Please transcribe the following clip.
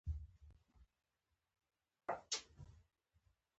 دومره لوی انعام مستحق وګڼل شول.